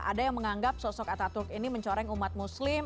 ada yang menganggap sosok ataturk ini mencoreng umat muslim